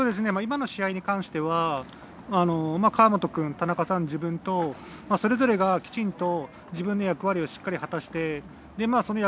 今の試合に関しては河本君、田中さん、自分とそれぞれがきちんと自分の役割をしっかり果たして。